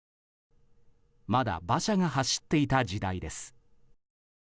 まだ馬車が走っていた時代です。